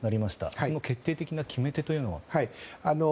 その決定的な決め手というのは？